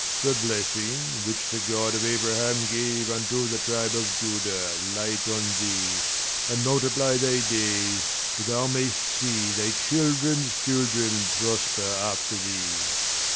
Leir. The blessing, which the God of Abraham gave Unto the tribe of Judah, light on thee, And multiply thy days, that thou may'st see Thy children's children prosper after thee.